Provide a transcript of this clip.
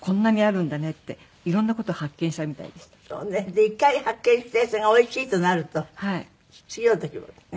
で１回発見してそれがおいしいとなると次の時もねまた行ける。